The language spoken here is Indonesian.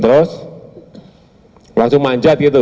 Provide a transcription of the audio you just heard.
terus langsung manjat gitu